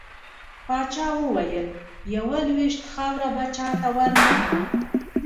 پاچا وويل: يوه لوېشت خاوړه به چاته ورنه کړه .